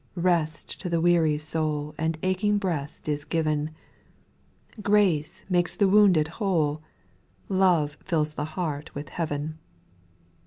4. Rest to the weary soul And aching breast is given, Grace makes the wounded whole. Love fills the heart with heaven.